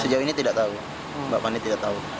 sejauh ini tidak tahu mbak pani tidak tahu